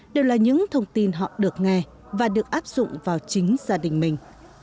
đều là những thông tin họ được nghe và được áp dụng vào chính gia đình mình